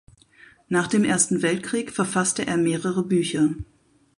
Nach dem Ersten Weltkrieg verfasste er mehrere Bücher.